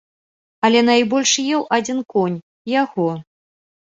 Але найбольш еў адзін конь, яго.